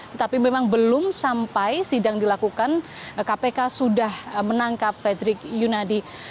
tetapi memang belum sampai sidang dilakukan kpk sudah menangkap fredrik yunadi